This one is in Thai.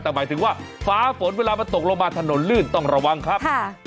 แต่หมายถึงว่าฟ้าฝนเวลามันตกลงมาถนนลื่นต้องระวังครับ